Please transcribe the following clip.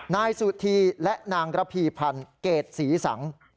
นายสุธีและนางระพีพันธ์เกรดศรีสัง